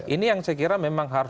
ini yang saya kira memang harus